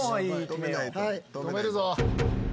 止めるぞ。